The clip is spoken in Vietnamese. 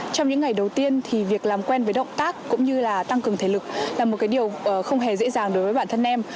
trong những ngày đầu tiên thì việc làm quen với động tác cũng như là tăng cường thể lực là một điều không hề dễ dàng đối với bản thân em